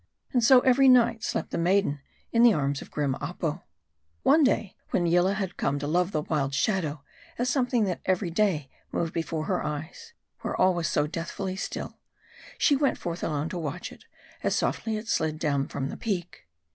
And so, every night, slept the maiden in the arms of grim Apo. One day when Yillah had come to love the wild shadow, as something that every day moved before her eyes, where all was so deathfully still ; she went forth alone to watch it, as softly it slid down from the peak.